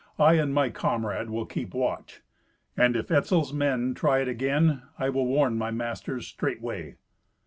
"I and my comrade will keep watch. And if Etzel's men try it again, I will warn my masters straightway."